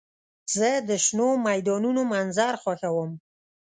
زه د شنو میدانونو منظر خوښوم.